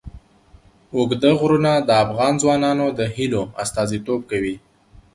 اوږده غرونه د افغان ځوانانو د هیلو استازیتوب کوي.